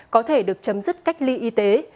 có thể được chấm dứt cách ly y tế